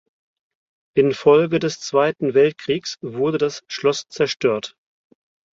In Folge des Zweiten Weltkriegs wurde das Schloss zerstört.